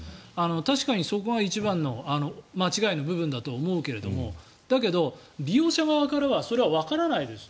確かにそこが一番の間違いの部分だと思うけれどだけど、利用者側からはそれはわからないです。